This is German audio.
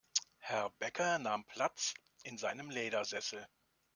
Herr Bäcker nahm Platz in seinem Ledersessel.